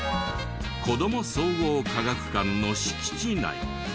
子ども総合科学館の敷地内。